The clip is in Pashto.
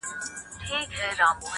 څه د خانانو، عزیزانو څه دربار مېلمانه٫